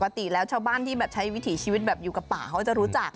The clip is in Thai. ปกติแล้วชาวบ้านที่แบบใช้วิถีชีวิตแบบอยู่กับป่าเขาจะรู้จัก